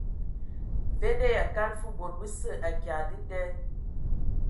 Mvende yʼakala fə bod bəsə akya dəda.